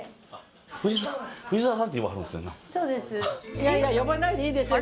いやいや呼ばないでいいですよ。